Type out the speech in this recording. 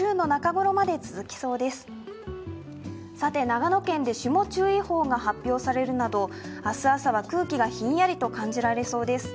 長野県で霜注意報が発表されるなど、明日朝は空気がひんやりと感じられそうです。